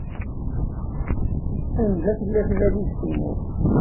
Anda tella tbalizt-inu?